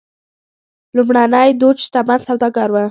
لومړنی دوج شتمن سوداګر و.